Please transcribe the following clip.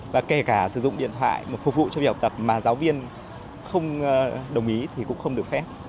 và kể cả sử dụng điện thoại mà phục vụ cho việc học tập mà giáo viên không đồng ý thì cũng không được phép